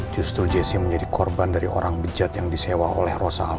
justru jessy menjadi korban dari orang bijat yang disewa oleh rosa alvahri